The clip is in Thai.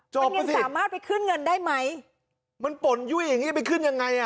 ยังสามารถไปขึ้นเงินได้ไหมมันป่นยุ้ยอย่างงี้จะไปขึ้นยังไงอ่ะ